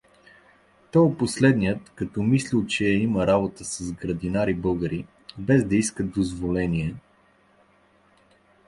Тоя последният, като мислел, че има работа с градинари-българи, без да поиска дозволение.